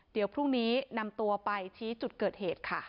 เดี๋ยวพรุ่งนี้นำตัวไปชี้จุดเกิดเหตุค่ะ